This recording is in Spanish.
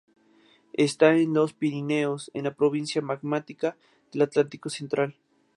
Está en los Pirineos, en la Provincia magmática del Atlántico Central.